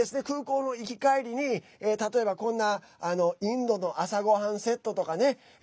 空港の行き帰りに、例えばこんなインドの朝ごはんセットとかね。